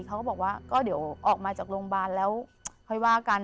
เขาก็บอกว่าก็เดี๋ยวออกมาจากโรงพยาบาลแล้วค่อยว่ากัน